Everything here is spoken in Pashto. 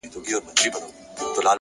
علم د هدفونو درک اسانه کوي؛